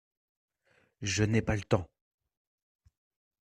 Je n’ai pas le temps !…